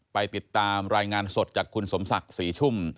ไปติดตามรายงานสดจากคุณสมศักดิ์ศรีชุ่ม